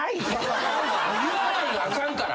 「言わない」があかんから。